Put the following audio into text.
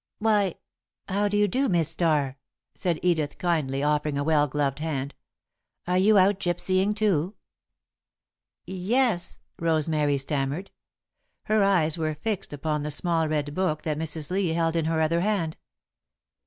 "Why, how do you do, Miss Starr?" said Edith, kindly, offering a well gloved hand. "Are you out gypsying too?" "Yes," Rosemary stammered. Her eyes were fixed upon the small red book that Mrs. Lee held in her other hand.